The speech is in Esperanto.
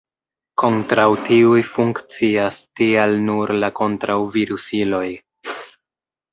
Kontraŭ tiuj funkcias tial nur la kontraŭ-virusiloj.